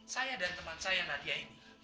saya dan teman saya nadia ini